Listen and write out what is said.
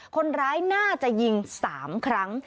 คนร้ายน่าจะยิง๓ครั้ง